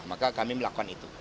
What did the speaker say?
maka kami melakukan itu